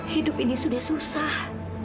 hidup ini sudah susah